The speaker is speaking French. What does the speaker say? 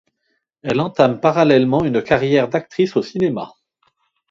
Elle entame parallèlement une carrière d'actrice au cinéma.